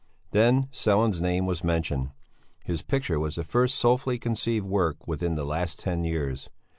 Then Sellén's name was mentioned. His picture was the first soulfully conceived work within the last ten years.